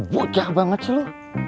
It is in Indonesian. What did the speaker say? bocah banget sih lo